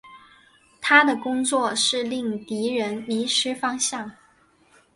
他的工作是令敌人迷失方向。